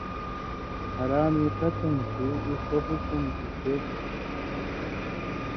حرامے قطَیں شُو، اُو سو حکم تُھو چے